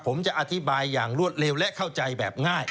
ผมจะอธิบายอย่างรวดเร็วและเข้าใจแบบง่าย